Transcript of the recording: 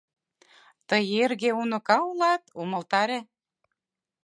Тый эрге, уныка улат, умылтаре.